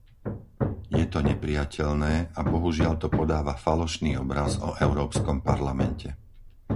Je to neprijateľné a bohužiaľ to podáva falošný obraz o Európskom parlamente.